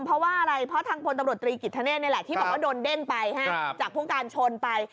เพราะว่าอะไรเพราะทางพลตำรวจตรีกิจธเนธนี่แหละที่บอกว่าโดนเด้งไปจากผู้การชนไป